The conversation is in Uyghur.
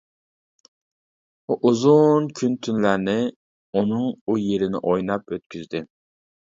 ئۇ ئۇزۇن كۈن-تۈنلەرنى ئۇنىڭ ئۇ يېرىنى ئويناپ ئۆتكۈزدى.